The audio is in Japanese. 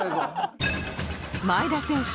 前田選手